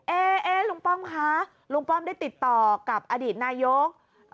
เอ๊ะลุงป้อมคะลุงป้อมได้ติดต่อกับอดีตนายก